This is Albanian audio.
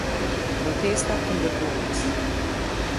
Protesta kundër dhunës.